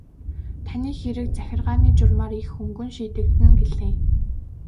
Таны хэрэг захиргааны журмаар их хөнгөн шийдэгдэнэ гэлээ.